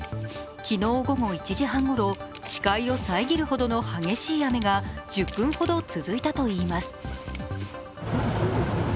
昨日午後１時半ごろ、視界を遮るほどの激しい雨が１０分ほど続いたといいます。